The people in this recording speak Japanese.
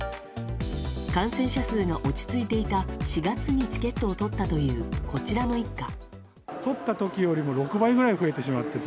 感染者数が落ち着いていた４月にチケットをとったというこちらの一家。